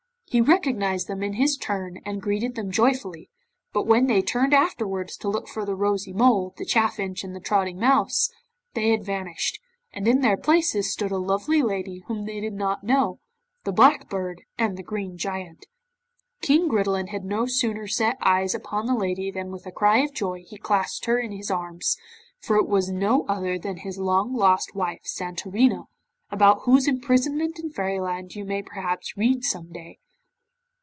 He recognized them in his turn and greeted them joyfully, but when they turned afterwards to look for the Rosy Mole, the Chaffinch, and the Trotting Mouse, they had vanished, and in their places stood a lovely lady whom they did not know, the Black Bird, and the Green Giant. King Gridelin had no sooner set eyes upon the lady than with a cry of joy he clasped her in his arms, for it was no other than his long lost wife, Santorina, about whose imprisonment in Fairyland you may perhaps read some day.